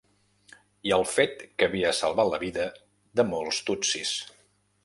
I el fet que havia salvat la vida de molts tutsis.